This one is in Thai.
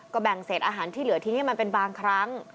แบ่งเศษอาหารที่เหลือทิ้งให้มันเป็นบางครั้ง